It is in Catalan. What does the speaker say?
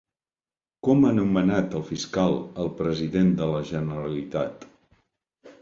Com ha anomenat el fiscal al president de la generalitat?